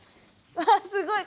うわすごい！